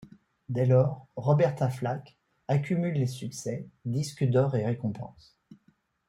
Dès lors, Roberta Flack accumule les succès, disques d'or et récompenses.